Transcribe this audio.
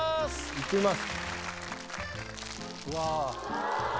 行きます。